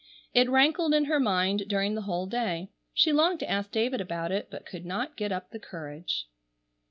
It rankled in her mind during the whole day. She longed to ask David about it, but could not get up the courage.